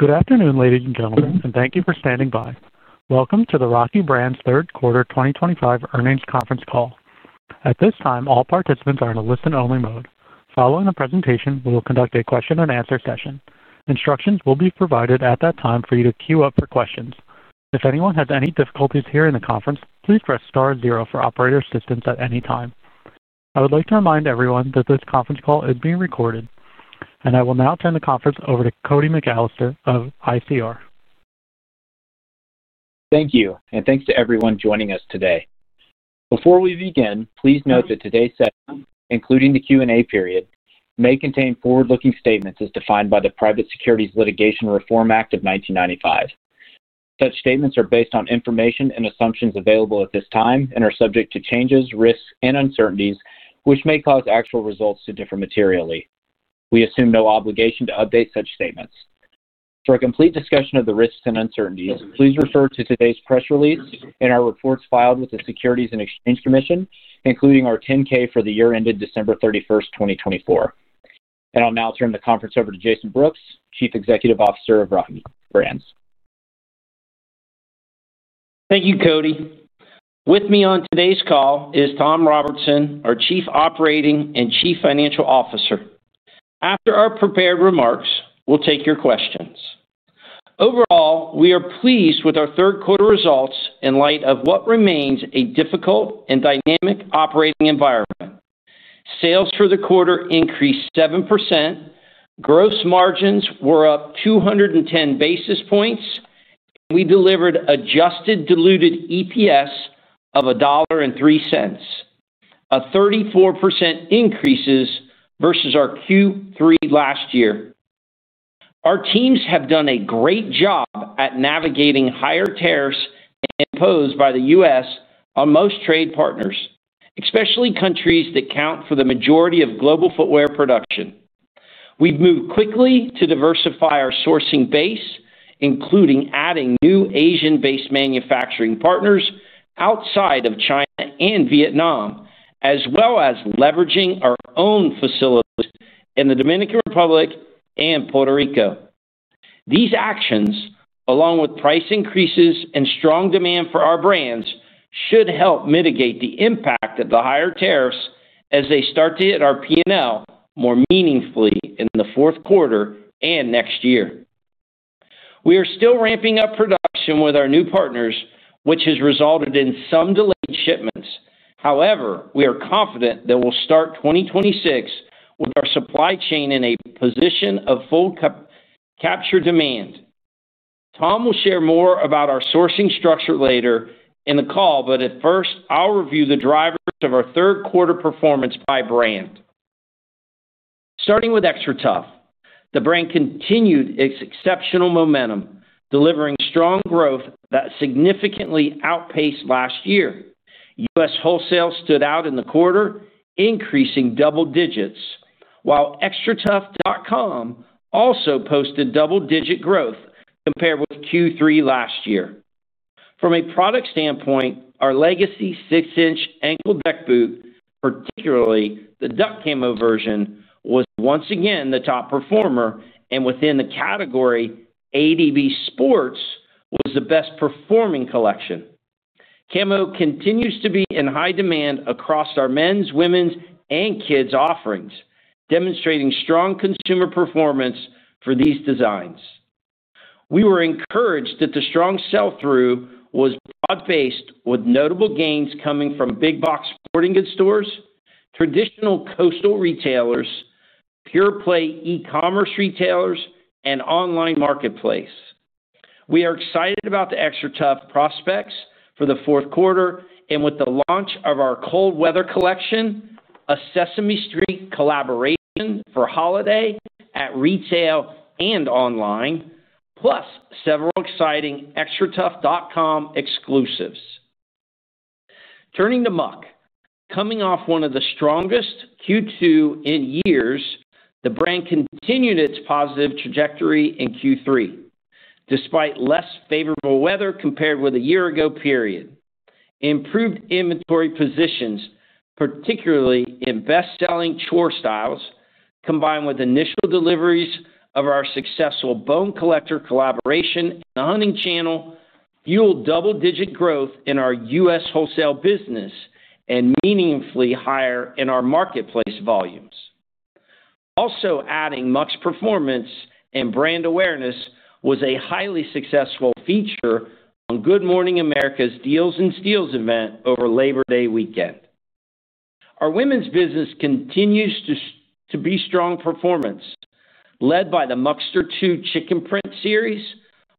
Good afternoon, ladies and gentlemen, and thank you for standing by. Welcome to the Rocky Brands third quarter 2025 earnings conference call. At this time, all participants are in a listen-only mode. Following the presentation, we will conduct a question-and-answer session. Instructions will be provided at that time for you to queue up for questions. If anyone has any difficulties hearing the conference, please press star zero for operator assistance at any time. I would like to remind everyone that this conference call is being recorded, and I will now turn the conference over to Cody McAlester of ICR. Thank you, and thanks to everyone joining us today. Before we begin, please note that today's session, including the Q&A period, may contain forward-looking statements as defined by the Private Securities Litigation Reform Act of 1995. Such statements are based on information and assumptions available at this time and are subject to changes, risks, and uncertainties, which may cause actual results to differ materially. We assume no obligation to update such statements. For a complete discussion of the risks and uncertainties, please refer to today's press release and our reports filed with the Securities and Exchange Commission, including our 10-K for the year ended December 31st, 2024. I'll now turn the conference over to Jason Brooks, Chief Executive Officer of Rocky Brands. Thank you, Cody. With me on today's call is Tom Robertson, our Chief Operating and Chief Financial Officer. After our prepared remarks, we'll take your questions. Overall, we are pleased with our third-quarter results in light of what remains a difficult and dynamic operating environment. Sales for the quarter increased 7%, gross margins were up 210 basis points, and we delivered adjusted diluted EPS of $1.03, a 34% increase versus our Q3 last year. Our teams have done a great job at navigating higher tariffs imposed by the U.S. on most trade partners, especially countries that account for the majority of global footwear production. We've moved quickly to diversify our sourcing base, including adding new Asian-based manufacturing partners outside of China and Vietnam, as well as leveraging our own facilities in the Dominican Republic and Puerto Rico. These actions, along with price increases and strong demand for our brands, should help mitigate the impact of the higher tariffs as they start to hit our P&L more meaningfully in the fourth quarter and next year. We are still ramping up production with our new partners, which has resulted in some delayed shipments. However, we are confident that we'll start 2026 with our supply chain in a position to fully capture demand. Tom will share more about our sourcing structure later in the call, but first, I'll review the drivers of our third-quarter performance by brand. Starting with XTRATUF, the brand continued its exceptional momentum, delivering strong growth that significantly outpaced last year. U.S. wholesale stood out in the quarter, increasing double digits, while xtratuf.com also posted double-digit growth compared with Q3 last year. From a product standpoint, our legacy six-inch ankle-deck boot, particularly the Duck Camo version, was once again the top performer, and within the category, ADB Sports was the best-performing collection. Camo continues to be in high demand across our men's, women's, and kids' offerings, demonstrating strong consumer performance for these designs. We were encouraged that the strong sell-through was broad-based, with notable gains coming from big-box sporting goods stores, traditional coastal retailers, pure-play e-commerce retailers, and online marketplace. We are excited about the XTRATUF prospects for the fourth quarter, and with the launch of our cold weather collection, a Sesame Street collaboration for holiday at retail and online, plus several exciting xtratuf.com exclusives. Turning to Muck, coming off one of the strongest Q2 in years, the brand continued its positive trajectory in Q3, despite less favorable weather compared with a year-ago period. Improved inventory positions, particularly in best-selling chore styles, combined with initial deliveries of our successful Bone Collector collaboration and the Hunting Channel, fueled double-digit growth in our U.S. wholesale business and meaningfully higher in our marketplace volumes. Also, adding to Muck's performance and brand awareness was a highly successful feature on Good Morning America's Deals & Steals event over Labor Day weekend. Our women's business continues to be strong performance, led by the Muckster 2 chicken print series,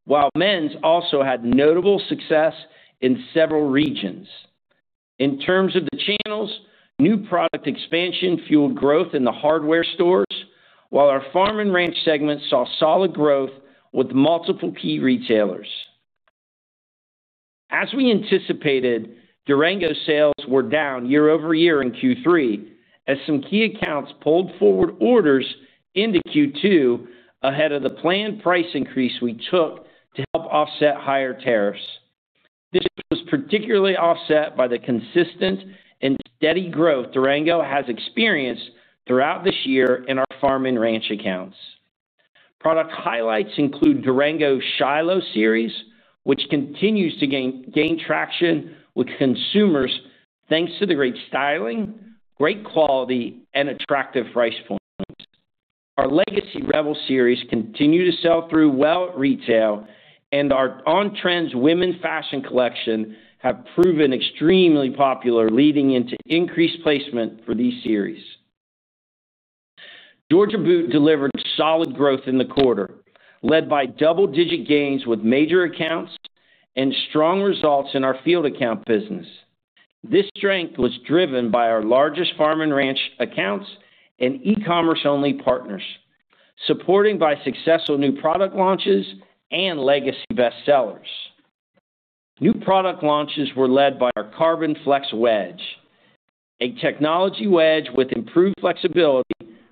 while men's also had notable success in several regions. In terms of the channels, new product expansion fueled growth in the hardware stores, while our farm and ranch segments saw solid growth with multiple key retailers. As we anticipated, Durango sales were down year-over-year in Q3, as some key accounts pulled forward orders into Q2 ahead of the planned price increase we took to help offset higher tariffs. This was particularly offset by the consistent and steady growth Durango has experienced throughout this year in our farm and ranch accounts. Product highlights include Durango's Shiloh series, which continues to gain traction with consumers thanks to the great styling, great quality, and attractive price points. Our legacy Rebel series continue to sell through well at retail, and our On Trends Women's Fashion collection has proven extremely popular, leading into increased placement for these series. Georgia Boot delivered solid growth in the quarter, led by double-digit gains with major accounts and strong results in our field account business. This strength was driven by our largest farm and ranch accounts and e-commerce-only partners, supported by successful new product launches and legacy bestsellers. New product launches were led by our Carbon Flex wedge, a technology wedge with improved flexibility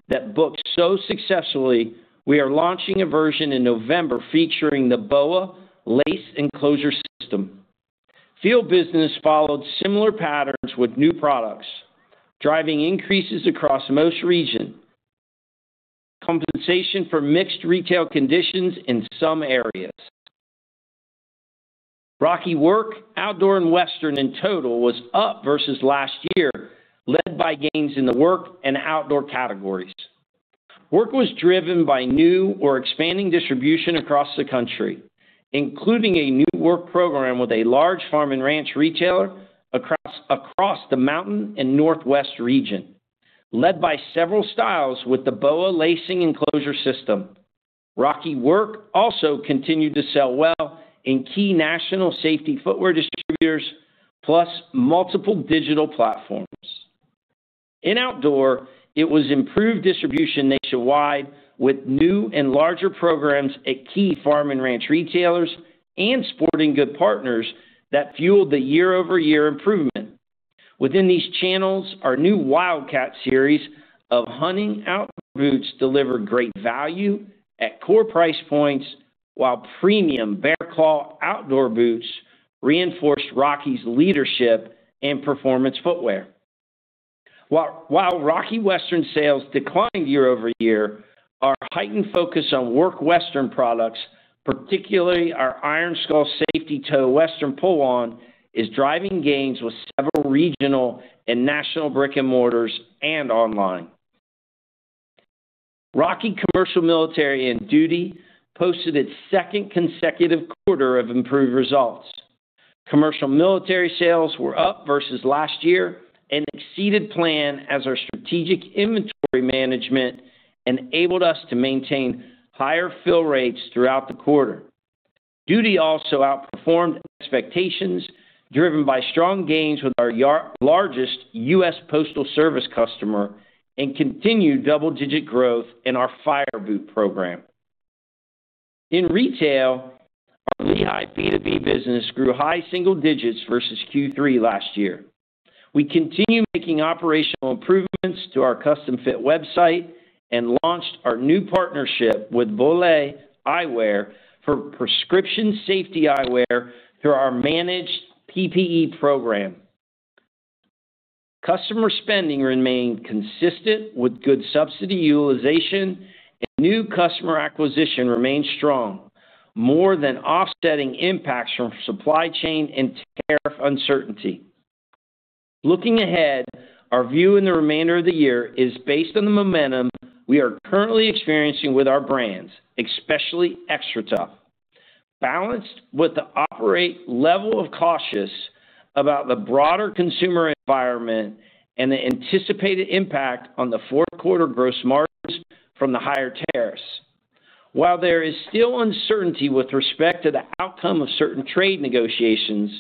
that booked so successfully, we are launching a version in November featuring the BOA lace enclosure system. Field business followed similar patterns with new products, driving increases across most regions, compensating for mixed retail conditions in some areas. Rocky Work, Outdoor, and Western in total was up versus last year, led by gains in the work and outdoor categories. Work was driven by new or expanding distribution across the country, including a new work program with a large farm and ranch retailer across the mountain and northwest region, led by several styles with the BOA lacing enclosure system. Rocky Work also continued to sell well in key national safety footwear distributors, plus multiple digital platforms. In outdoor, it was improved distribution nationwide with new and larger programs at key farm and ranch retailers and sporting goods partners that fueled the year-over-year improvement. Within these channels, our new Wildcat series of hunting outdoor boots delivered great value at core price points, while premium Bearclaw outdoor boots reinforced Rocky's leadership in performance footwear. While Rocky Western sales declined year-over-year, our heightened focus on Work Western products, particularly our Iron Skull Safety Toe Western Pull-On, is driving gains with several regional and national brick-and-mortars and online. Rocky Commercial Military and Duty posted its second consecutive quarter of improved results. Commercial Military sales were up versus last year and exceeded plan as our strategic inventory management enabled us to maintain higher fill rates throughout the quarter. Duty also outperformed expectations, driven by strong gains with our largest U.S. Postal Service customer and continued double-digit growth in our Fire Boot program. In retail, our Lehigh B2B business grew high single digits versus Q3 last year. We continue making operational improvements to our custom-fit website and launched our new partnership with Bollé Eyewear for prescription safety eyewear through our managed PPE program. Customer spending remained consistent with good subsidy utilization, and new customer acquisition remains strong, more than offsetting impacts from supply chain and tariff uncertainty. Looking ahead, our view in the remainder of the year is based on the momentum we are currently experiencing with our brands, especially XTRATUF, balanced with the appropriate level of caution about the broader consumer environment and the anticipated impact on the fourth-quarter gross margins from the higher tariffs. While there is still uncertainty with respect to the outcome of certain trade negotiations,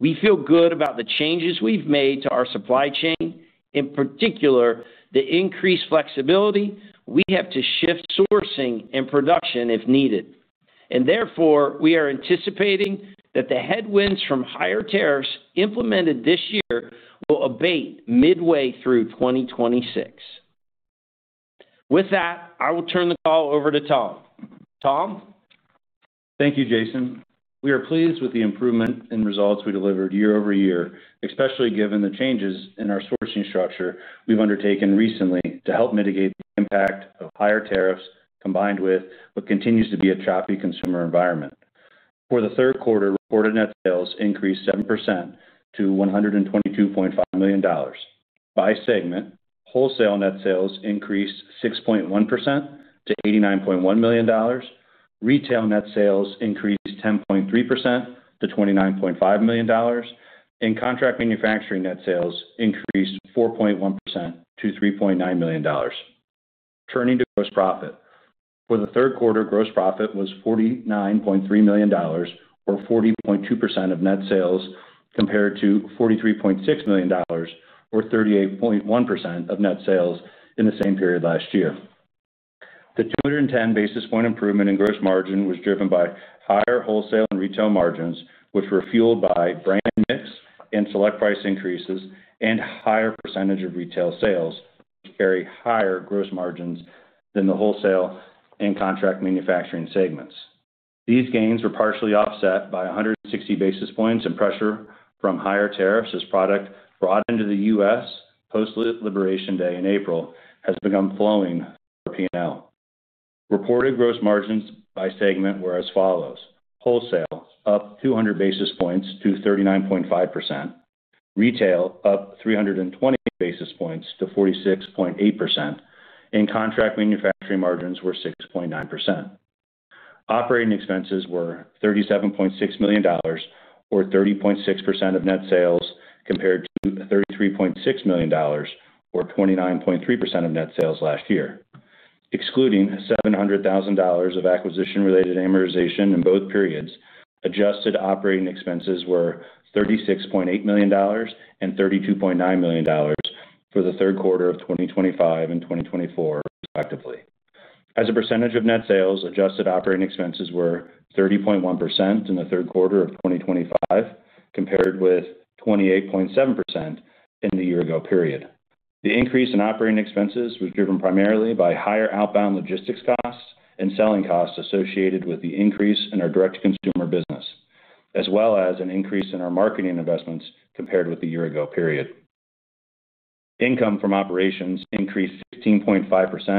we feel good about the changes we've made to our supply chain, in particular the increased flexibility we have to shift sourcing and production if needed. Therefore, we are anticipating that the headwinds from higher tariffs implemented this year will abate midway through 2026. With that, I will turn the call over to Tom. Tom? Thank you, Jason. We are pleased with the improvement in results we delivered year-over-year, especially given the changes in our sourcing structure we've undertaken recently to help mitigate the impact of higher tariffs combined with what continues to be a choppy consumer environment. For the third quarter, order net sales increased 7% to $122.5 million. By segment, wholesale net sales increased 6.1% to $89.1 million. Retail net sales increased 10.3% to $29.5 million, and contract manufacturing net sales increased 4.1% to $3.9 million. Turning to gross profit, for the third quarter, gross profit was $49.3 million, or 40.2% of net sales, compared to $43.6 million, or 38.1% of net sales in the same period last year. The 210 basis point improvement in gross margin was driven by higher wholesale and retail margins, which were fueled by brand mix and select price increases and a higher percentage of retail sales, which carry higher gross margins than the wholesale and contract manufacturing segments. These gains were partially offset by 160 basis points and pressure from higher tariffs as product brought into the U.S. post-Liberation Day in April has become flowing for P&L. Reported gross margins by segment were as follows: wholesale up 200 basis points to 39.5%, retail up 320 basis points to 46.8%, and contract manufacturing margins were 6.9%. Operating expenses were $37.6 million, or 30.6% of net sales, compared to $33.6 million, or 29.3% of net sales last year. Excluding $700,000 of acquisition-related amortization in both periods, adjusted operating expenses were $36.8 million and $32.9 million for the third quarter of 2025 and 2024, respectively. As a percentage of net sales, adjusted operating expenses were 30.1% in the third quarter of 2025, compared with 28.7% in the year-ago period. The increase in operating expenses was driven primarily by higher outbound logistics costs and selling costs associated with the increase in our direct-to-consumer business, as well as an increase in our marketing investments compared with the year-ago period. Income from operations increased 15.5%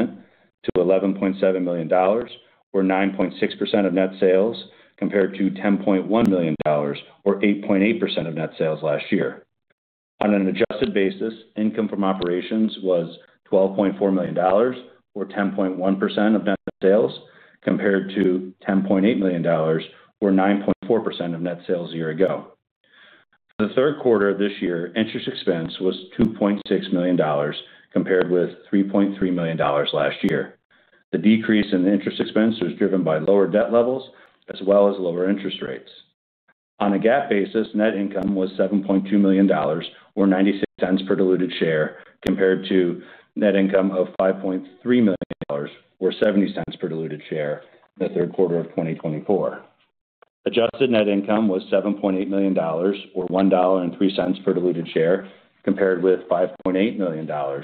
to $11.7 million, or 9.6% of net sales, compared to $10.1 million, or 8.8% of net sales last year. On an adjusted basis, income from operations was $12.4 million, or 10.1% of net sales, compared to $10.8 million, or 9.4% of net sales a year ago. For the third quarter of this year, interest expense was $2.6 million, compared with $3.3 million last year. The decrease in the interest expense was driven by lower debt levels, as well as lower interest rates. On a GAAP basis, net income was $7.2 million, or $0.96 per diluted share, compared to net income of $5.3 million, or $0.70 per diluted share in the third quarter of 2024. Adjusted net income was $7.8 million, or $1.03 per diluted share, compared with $5.8 million, or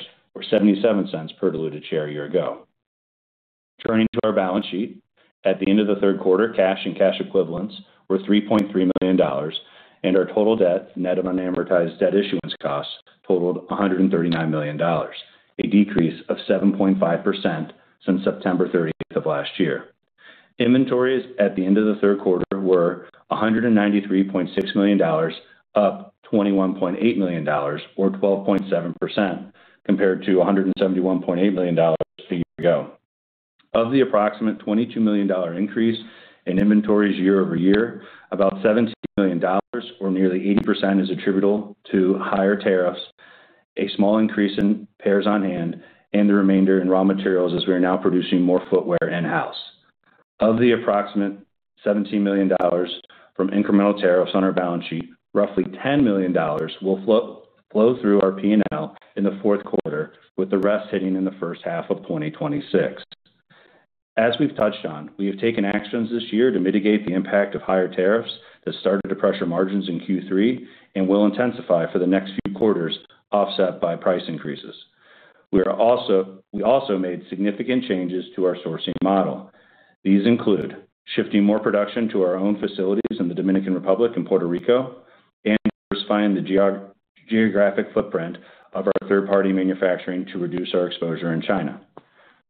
$0.77 per diluted share a year ago. Turning to our balance sheet, at the end of the third quarter, cash and cash equivalents were $3.3 million, and our total debt, net unamortized debt issuance costs, totaled $139 million, a decrease of 7.5% since September 30 of last year. Inventories at the end of the third quarter were $193.6 million, up $21.8 million, or 12.7%, compared to $171.8 million a year ago. Of the approximate $22 million increase in inventories year-over-year, about $17 million, or nearly 80%, is attributable to higher tariffs, a small increase in pairs on hand, and the remainder in raw materials, as we are now producing more footwear in-house. Of the approximate $17 million from incremental tariffs on our balance sheet, roughly $10 million will flow through our P&L in the fourth quarter, with the rest hitting in the first half of 2026. As we've touched on, we have taken actions this year to mitigate the impact of higher tariffs that started to pressure margins in Q3 and will intensify for the next few quarters, offset by price increases. We also made significant changes to our sourcing model. These include shifting more production to our own facilities in the Dominican Republic and Puerto Rico and diversifying the geographic footprint of our third-party manufacturing to reduce our exposure in China.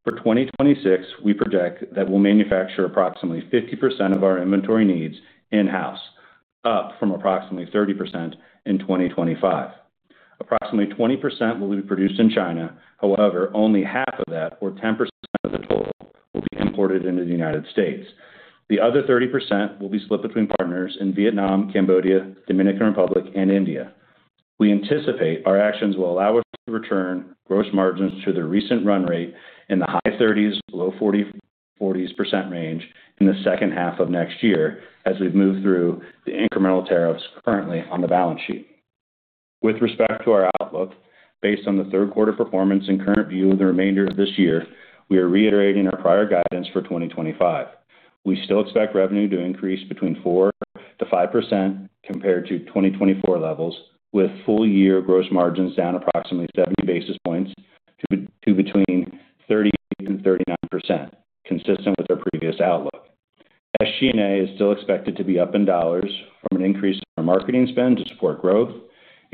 For 2026, we project that we'll manufacture approximately 50% of our inventory needs in-house, up from approximately 30% in 2025. Approximately 20% will be produced in China. However, only half of that, or 10% of the total, will be imported into the U.S. The other 30% will be split between partners in Vietnam, Cambodia, Dominican Republic, and India. We anticipate our actions will allow us to return gross margins to the recent run rate in the high 30s, low 40s% range in the second half of next year, as we've moved through the incremental tariffs currently on the balance sheet. With respect to our outlook, based on the third-quarter performance and current view of the remainder of this year, we are reiterating our prior guidance for 2025. We still expect revenue to increase between 4% to 5% compared to 2024 levels, with full-year gross margins down approximately 70 basis points to between 38% and 39%, consistent with our previous outlook. SG&A is still expected to be up in dollars from an increase in our marketing spend to support growth,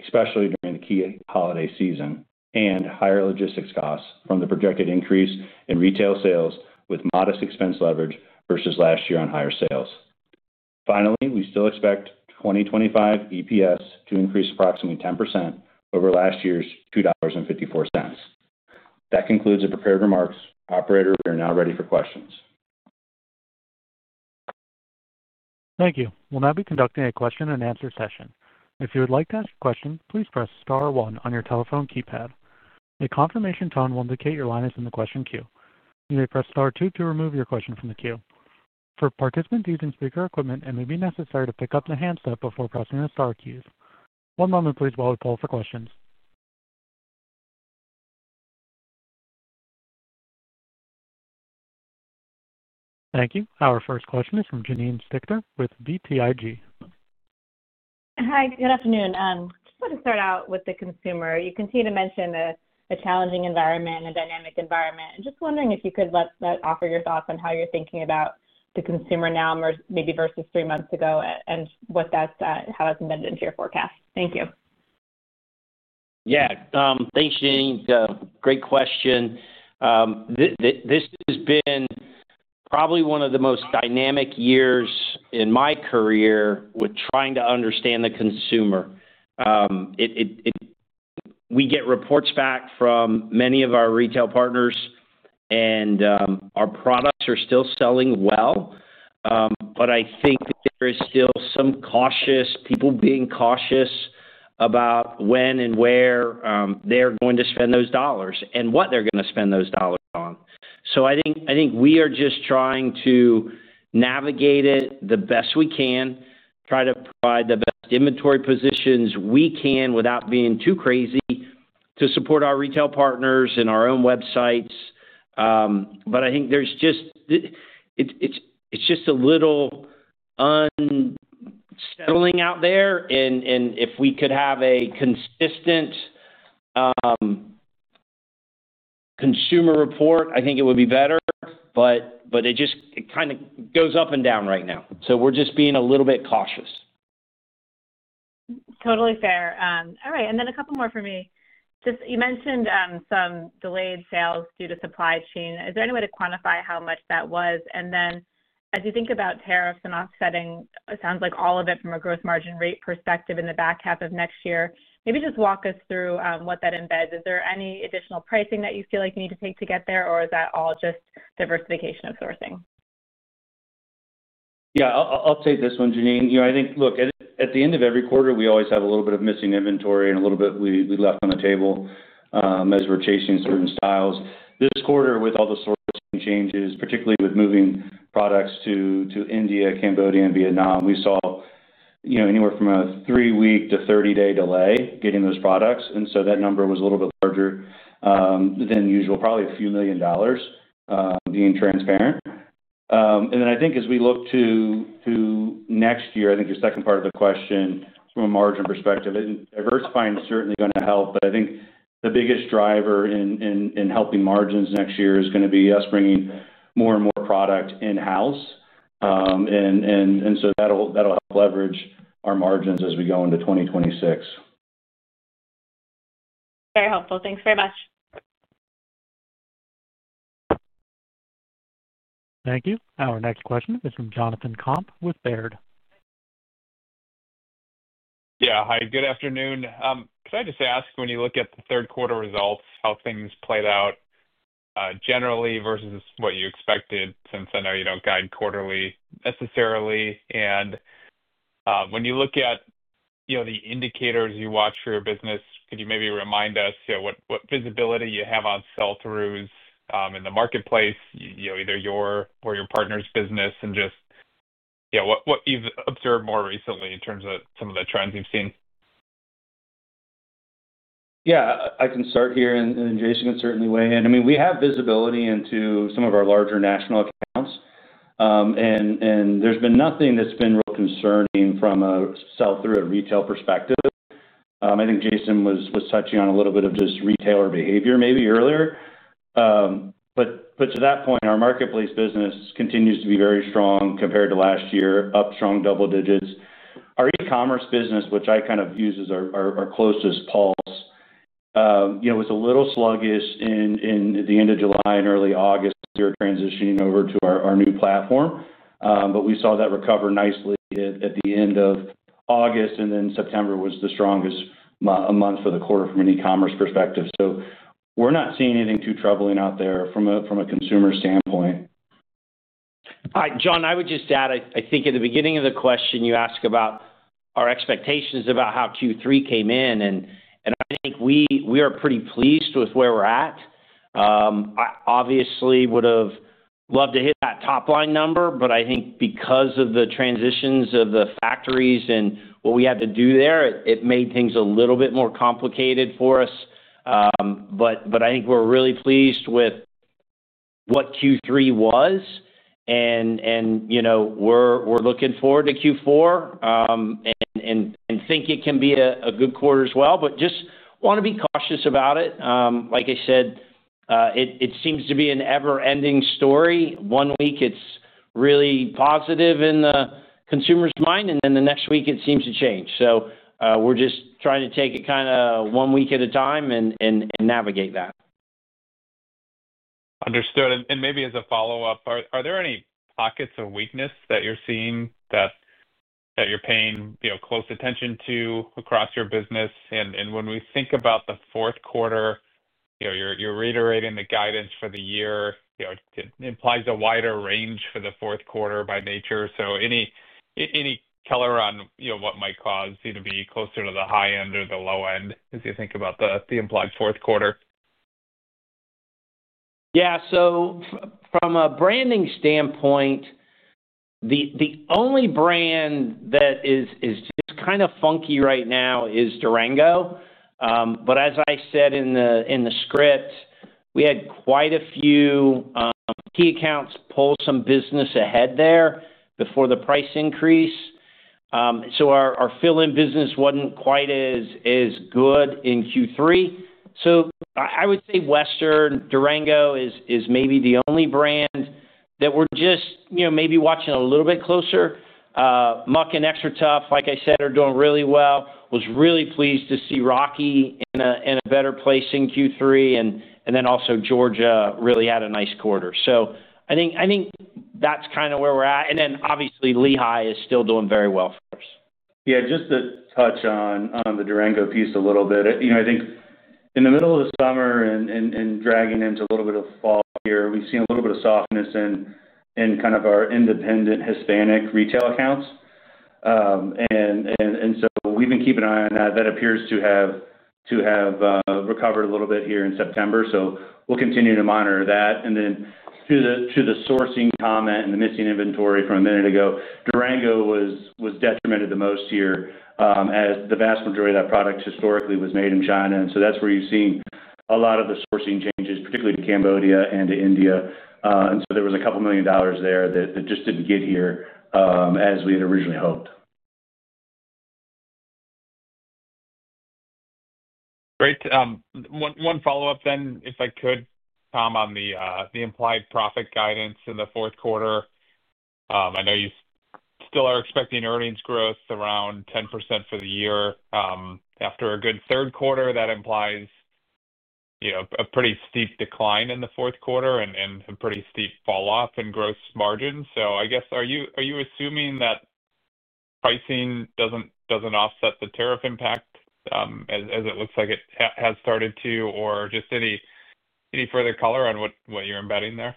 especially during the key holiday season, and higher logistics costs from the projected increase in retail sales with modest expense leverage versus last year on higher sales. Finally, we still expect 2025 EPS to increase approximately 10% over last year's $2.54. That concludes the prepared remarks. Operator, we are now ready for questions. Thank you. We'll now be conducting a question-and-answer session. If you would like to ask a question, please press star one on your telephone keypad. A confirmation tone will indicate your line is in the question queue. You may press star two to remove your question from the queue. For participants using speaker equipment, it may be necessary to pick up the handset before pressing the star queues. One moment, please, while we pull up the questions. Thank you. Our first question is from Janine Stichter with BTIG. Hi. Good afternoon. I just want to start out with the consumer. You continue to mention a challenging environment and a dynamic environment. I'm just wondering if you could offer your thoughts on how you're thinking about the consumer now, maybe versus three months ago, and how that's embedded into your forecast. Thank you. Yeah. Thanks, Janine. Great question. This has been probably one of the most dynamic years in my career with trying to understand the consumer. We get reports back from many of our retail partners, and our products are still selling well. I think there are still some people being cautious about when and where they're going to spend those dollars and what they're going to spend those dollars on. I think we are just trying to navigate it the best we can, try to provide the best inventory positions we can without being too crazy to support our retail partners and our own websites. I think it's just a little unsettling out there. If we could have a consistent consumer report, I think it would be better. It just kind of goes up and down right now. We're just being a little bit cautious. Totally fair. All right. A couple more for me. You mentioned some delayed sales due to supply chain. Is there any way to quantify how much that was? As you think about tariffs and offsetting, it sounds like all of it from a gross margin rate perspective in the back half of next year. Maybe just walk us through what that embeds. Is there any additional pricing that you feel like you need to take to get there, or is that all just diversification of sourcing? Yeah. I'll take this one, Janine. At the end of every quarter, we always have a little bit of missing inventory and a little bit we left on the table as we're chasing certain styles. This quarter, with all the sourcing changes, particularly with moving products to India, Cambodia, and Vietnam, we saw anywhere from a 3-week to 30-day delay getting those products. That number was a little bit larger than usual, probably a few million dollars, being transparent. I think as we look to next year, your second part of the question from a margin perspective, diversifying is certainly going to help. I think the biggest driver in helping margins next year is going to be us bringing more and more product in-house. That'll help leverage our margins as we go into 2026. Very helpful. Thanks very much. Thank you. Our next question is from Jonathan Komp with Baird. Yeah. Hi. Good afternoon. Could I just ask, when you look at the third-quarter results, how things played out generally versus what you expected, since I know you don't guide quarterly necessarily? When you look at the indicators you watch for your business, could you maybe remind us what visibility you have on sell-throughs in the marketplace, either your or your partner's business, and just what you've observed more recently in terms of some of the trends you've seen? Yeah, I can start here, and Jason can certainly weigh in. We have visibility into some of our larger national accounts, and there's been nothing that's been real concerning from a sell-through at a retail perspective. I think Jason was touching on a little bit of just retailer behavior maybe earlier. To that point, our marketplace business continues to be very strong compared to last year, up strong double digits. Our e-commerce business, which I kind of use as our closest pulse, was a little sluggish at the end of July and early August as we were transitioning over to our new platform. We saw that recover nicely at the end of August, and September was the strongest month for the quarter from an e-commerce perspective. We're not seeing anything too troubling out there from a consumer standpoint. All right, Jonathan, I would just add, I think at the beginning of the question, you asked about our expectations about how Q3 came in. I think we are pretty pleased with where we're at. I obviously would have loved to hit that top-line number, but I think because of the transitions of the factories and what we had to do there, it made things a little bit more complicated for us. I think we're really pleased with what Q3 was. We're looking forward to Q4 and think it can be a good quarter as well, but just want to be cautious about it. Like I said, it seems to be an ever-ending story. One week, it's really positive in the consumer's mind, and then the next week, it seems to change. We're just trying to take it kind of one week at a time and navigate that. Understood. Maybe as a follow-up, are there any pockets of weakness that you're seeing that you're paying close attention to across your business? When we think about the fourth quarter, you're reiterating the guidance for the year. It implies a wider range for the fourth quarter by nature. Any color on what might cause you to be closer to the high end or the low end as you think about the implied fourth quarter? Yeah. From a branding standpoint, the only brand that is just kind of funky right now is Durango. As I said in the script, we had quite a few key accounts pull some business ahead there before the price increase, so our fill-in business wasn't quite as good in Q3. I would say Western Durango is maybe the only brand that we're just maybe watching a little bit closer. Muck and XTRATUF, like I said, are doing really well. I was really pleased to see Rocky in a better place in Q3, and then also Georgia Boot really had a nice quarter. I think that's kind of where we're at. Obviously, Lehigh is still doing very well for us. Yeah. Just to touch on the Durango piece a little bit, I think in the middle of the summer and dragging into a little bit of fall here, we've seen a little bit of softness in kind of our independent Hispanic retail accounts. We've been keeping an eye on that. That appears to have recovered a little bit here in September. We'll continue to monitor that. To the sourcing comment and the missing inventory from a minute ago, Durango was detrimented the most here as the vast majority of that product historically was made in China. That's where you've seen a lot of the sourcing changes, particularly to Cambodia and to India. There was a couple million dollars there that just didn't get here as we had originally hoped. Great. One follow-up then, if I could, Tom, on the implied profit guidance in the fourth quarter. I know you still are expecting earnings growth around 10% for the year. After a good third quarter, that implies a pretty steep decline in the fourth quarter and a pretty steep falloff in gross margins. I guess, are you assuming that pricing doesn't offset the tariff impact as it looks like it has started to, or just any further color on what you're embedding there?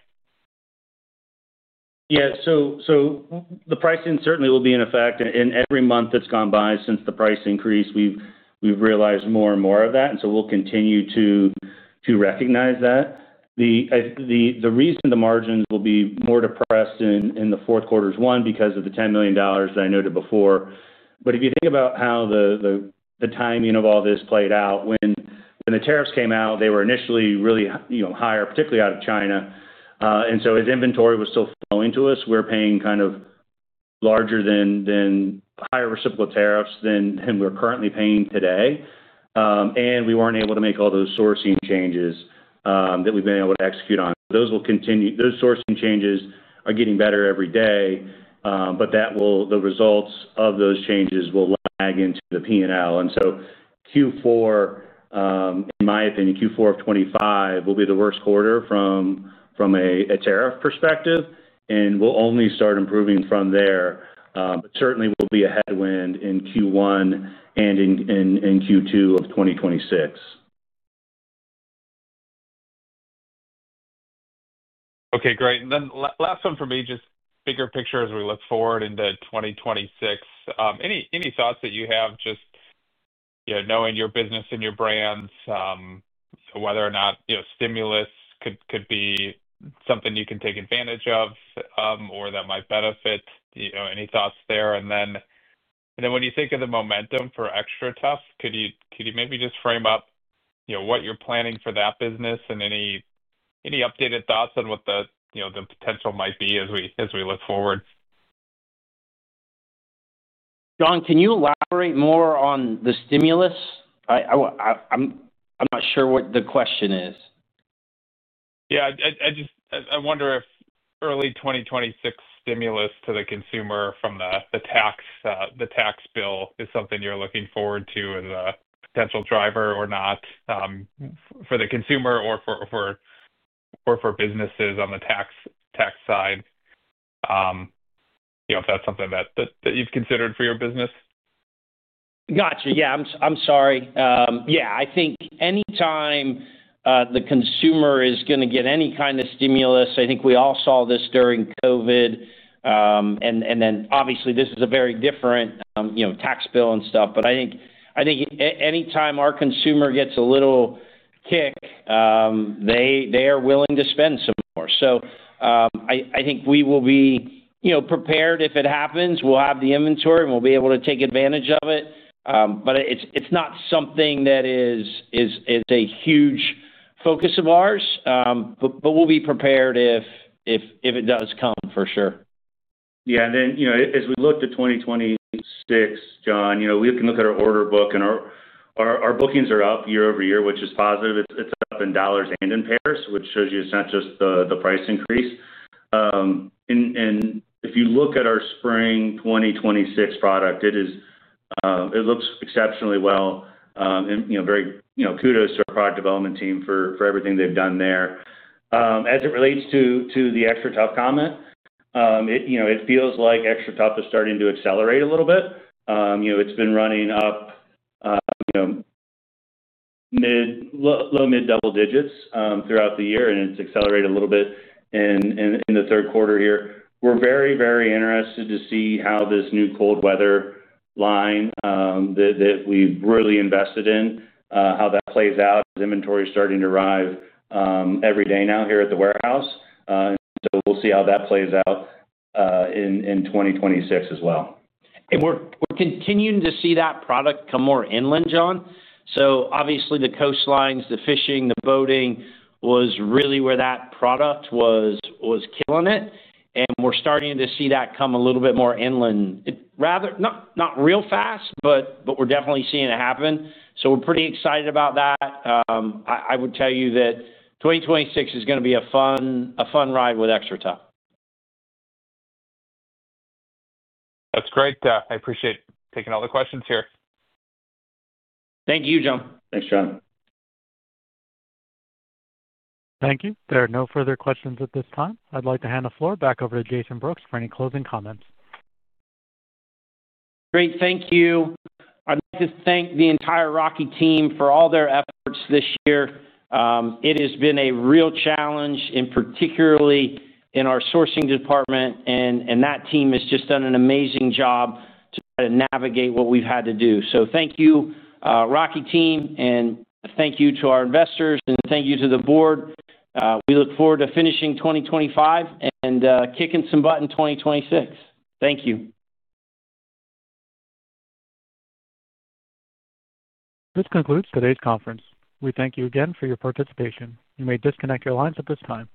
Yeah. The pricing certainly will be in effect. Every month that's gone by since the price increase, we've realized more and more of that, and we'll continue to recognize that. The reason the margins will be more depressed in the fourth quarter is, one, because of the $10 million that I noted before. If you think about how the timing of all this played out, when the tariffs came out, they were initially really higher, particularly out of China. As inventory was still flowing to us, we're paying kind of larger than higher reciprocal tariffs than we're currently paying today. We weren't able to make all those sourcing changes that we've been able to execute on. Those sourcing changes are getting better every day, but the results of those changes will lag into the P&L. In my opinion, Q4 of 2025 will be the worst quarter from a tariff perspective, and we'll only start improving from there. Certainly, we'll be a headwind in Q1 and in Q2 of 2026. Okay. Great. Last one for me, just bigger picture as we look forward into 2026. Any thoughts that you have, just knowing your business and your brands, whether or not stimulus could be something you can take advantage of or that might benefit? Any thoughts there? When you think of the momentum for XTRATUF, could you maybe just frame up what you're planning for that business and any updated thoughts on what the potential might be as we look forward? Can you elaborate more on the stimulus? I'm not sure what the question is. Yeah, I just wonder if early 2026 stimulus to the consumer from the tax bill is something you're looking forward to as a potential driver or not for the consumer or for businesses on the tax side. You know if that's something that you've considered for your business. Gotcha. I'm sorry. I think anytime the consumer is going to get any kind of stimulus, I think we all saw this during COVID. Obviously, this is a very different tax bill and stuff. I think anytime our consumer gets a little kick, they are willing to spend some more. I think we will be prepared if it happens. We'll have the inventory, and we'll be able to take advantage of it. It's not something that is a huge focus of ours. We'll be prepared if it does come, for sure. Yeah. As we look to 2026, John, you know we can look at our order book, and our bookings are up year-over-year, which is positive. It's up in dollars and in pairs, which shows you it's not just the price increase. If you look at our spring 2026 product, it looks exceptionally well. Very kudos to our product development team for everything they've done there. As it relates to the XTRATUF comment, it feels like XTRATUF is starting to accelerate a little bit. It's been running up low-mid double digits throughout the year, and it's accelerated a little bit in the third quarter here. We're very, very interested to see how this new cold weather line that we've really invested in, how that plays out as inventory is starting to arrive every day now here at the warehouse. We'll see how that plays out in 2026 as well. We're continuing to see that product come more inland, John. Obviously, the coastlines, the fishing, the boating was really where that product was killing it, and we're starting to see that come a little bit more inland. Rather not real fast, but we're definitely seeing it happen. We're pretty excited about that. I would tell you that 2026 is going to be a fun ride with XTRATUF. That's great. I appreciate taking all the questions here. Thank you, John. Thanks, John. Thank you. There are no further questions at this time. I'd like to hand the floor back over to Jason Brooks for any closing comments. Great. Thank you. I'd like to thank the entire Rocky team for all their efforts this year. It has been a real challenge, particularly in our sourcing department. That team has just done an amazing job to try to navigate what we've had to do. Thank you, Rocky team, thank you to our investors, and thank you to the board. We look forward to finishing 2025 and kicking some butt in 2026. Thank you. This concludes today's conference. We thank you again for your participation. You may disconnect your lines at this time.